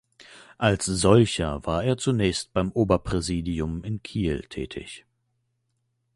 Als solcher war er zunächst beim Oberpräsidium in Kiel tätig.